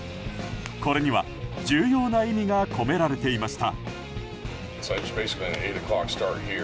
これには重要な意味が込められていました。